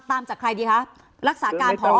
ตามจากใครดีคะ